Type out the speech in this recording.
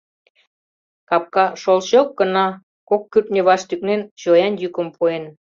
Капка шолчок гына, кок кӱртньӧ ваш тӱкнен, чоян йӱкым пуэн.